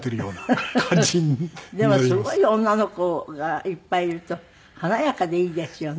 でもすごい女の子がいっぱいいると華やかでいいですよね。